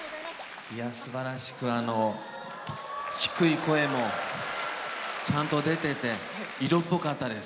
すばらしく低い声もちゃんと出てて色っぽかったです。